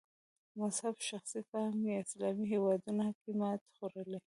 مذهب شخصي فهم په اسلامي هېوادونو کې ماتې خوړلې.